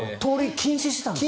禁止してたんですか？